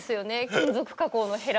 金属加工のヘラで。